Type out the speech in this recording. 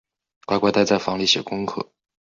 乖乖待在房里写功课